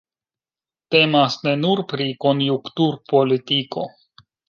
Temas ne nur pri konjunkturpolitiko.